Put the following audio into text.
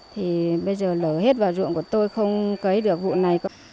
thì bây giờ lở hết vào ruộng của tôi không cấy được vụ này